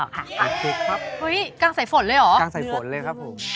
เฮ้ยกางใส่ฝนเลยเหรอ